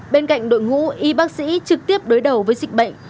bên cạnh đội ngũ y bác sĩ trực tiếp đối đầu với dịch bệnh